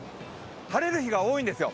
晴れる日が多いんですよ。